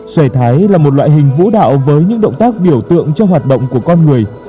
xòe thái là một loại hình vũ đạo với những động tác biểu tượng cho hoạt động của con người